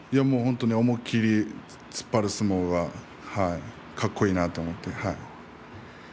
思い切り突っ張る相撲がかっこいいなと思っていました。